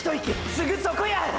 すぐそこや！！